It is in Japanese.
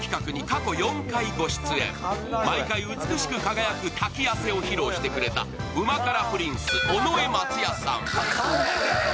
過去４回、ご出演、毎回美しく輝く滝汗を披露してくれた旨辛プリンス・尾上松也さん。